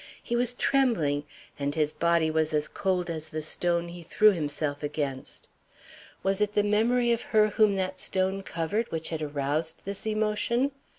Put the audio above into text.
He was trembling, and his body was as cold as the stone he threw himself against. Was it the memory of her whom that stone covered which had aroused this emotion?